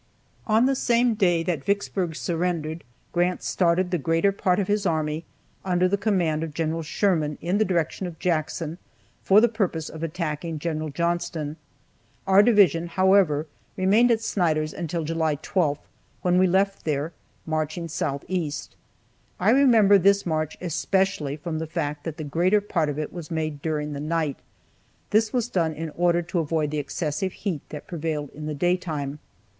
On the same day that Vicksburg surrendered Grant started the greater part of his army, under the command of Gen. Sherman, in the direction of Jackson for the purpose of attacking Gen. Johnston. Our division, however, remained at Snyder's until July 12th, when we left there, marching southeast. I remember this march especially, from the fact that the greater part of it was made during the night. This was done in order to avoid the excessive heat that prevailed in the daytime.